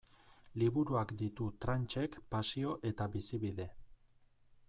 Liburuak ditu Tranchek pasio eta bizibide.